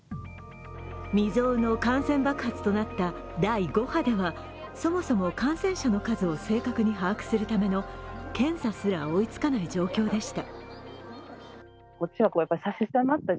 未曾有の感染爆発となった第５波ではそもそも感染者の数を正確に把握するための検査すら追いつかない状況でした。